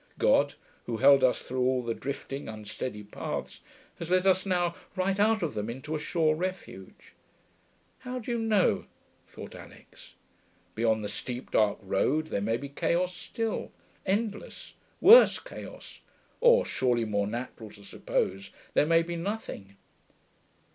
God, who held us through all the drifting, unsteady paths, has led us now right out of them into a sure refuge.... How do you know? thought Alix. Beyond the steep dark road there may be chaos still, endless, worse chaos: or, surely more natural to suppose, there may be nothing.